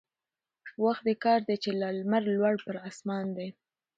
وخت د كار دى چي لا لمر لوړ پر آسمان دى